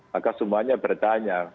maka semuanya bertanya